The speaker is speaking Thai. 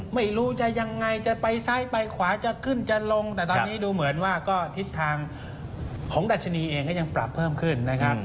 ไม่รู้จะยังไงจะไปซ้ายไปขวาจะขึ้นจะลงแต่ตอนนี้ดูเหมือนว่าก็ทิศทางของดัชนีเองก็ยังปรับเพิ่มขึ้นนะครับ